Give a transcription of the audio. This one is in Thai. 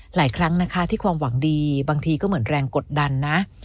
หลายครั้งนะคะที่ความหวังดีบางทีก็เหมือนแรงกดดันนะ